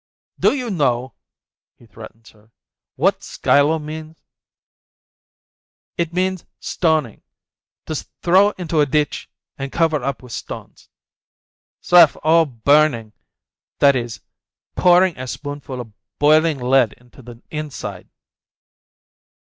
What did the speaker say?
"Do you know," he threatens her, "what Skiloh means? It means stoning, to throw into a ditch and cover up with stones ! Sref oh â€" burning, that is, pour ing a spoonful of boiling lead into the inside